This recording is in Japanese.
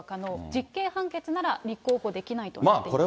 実刑判決なら立候補できないとなっています。